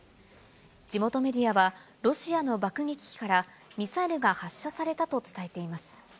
地元メディアは、ロシアの爆撃機からミサイルが発射されたと伝えています。